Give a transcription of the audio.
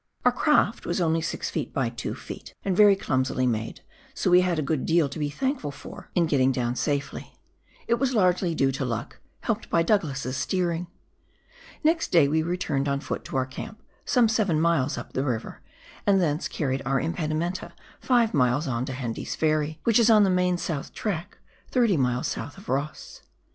Our craft was only 6 ft. by 2 ft., and xery clumsily made, so we had a good deal to be thankful for in getting 46 PIOXEER WORK IX THE ALPS OF NEW ZEALAND. down safely ; it was largely due to luck, helped by Douglas's steering. Next day we returned on foot to our camp, some seven miles up the river, and thence carried our impedimenta five miles on to Hende's Ferry, which is on the main south track, 30 miles south of Ross.